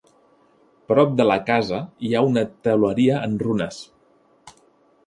Prop de la casa hi ha una teuleria en runes.